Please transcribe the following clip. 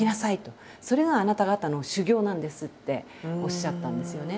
「それがあなた方の修行なんです」っておっしゃたんですよね。